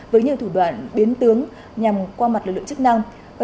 với nhiều thủ đoạn biến tướng nhằm qua mặt lực lượng chức năng